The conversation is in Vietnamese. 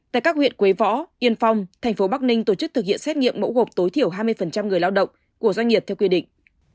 tại các huyện quế võ yên phong thành phố bắc ninh tổ chức thực hiện xét nghiệm mẫu gộp tối thiểu hai mươi người lao động của doanh nghiệp theo quy định